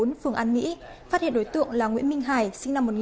phường an mỹ phát hiện đối tượng là nguyễn minh hải sinh năm một nghìn chín trăm tám mươi